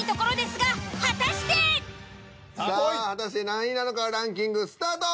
さあ果たして何位なのかランキングスタート。